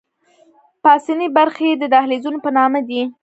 پاسنۍ برخې یې د دهلیزونو په نامه دي.